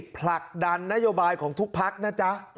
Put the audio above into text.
ผลักดันนโยบายของทุกพักนะจ๊ะ